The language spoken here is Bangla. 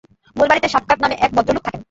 মূল বাড়িতে সাফকাত নামের এক ভদ্রলোক থাকেন।